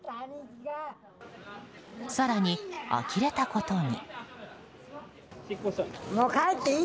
更に、あきれたことに。